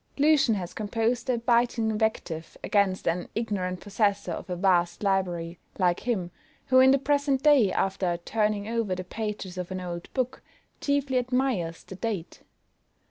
LUCIAN has composed a biting invective against an ignorant possessor of a vast library, like him, who in the present day, after turning over the pages of an old book, chiefly admires the date.